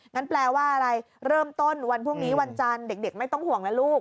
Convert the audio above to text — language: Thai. แปลว่าอะไรเริ่มต้นวันพรุ่งนี้วันจันทร์เด็กไม่ต้องห่วงนะลูก